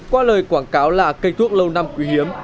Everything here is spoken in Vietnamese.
qua lời quảng cáo là cây thuốc lâu năm quý hiếm